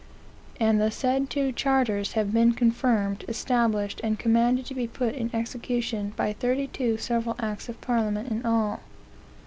"And the said two charters have been confirmed, established, and commanded to be put in execution by thirty two several acts of parliament in all.